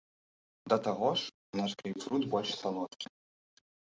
Да таго ж, наш грэйпфрут больш салодкі.